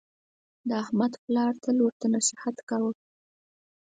د احمد پلار تل ورته نصحت کاوه: